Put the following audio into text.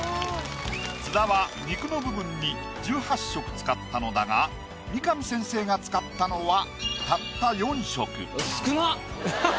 津田は肉の部分に１８色使ったのだが三上先生が使ったのはたった４色。